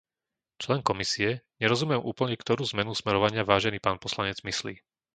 člen Komisie. - Nerozumiem úplne, ktorú zmenu smerovania vážený pán poslanec myslí.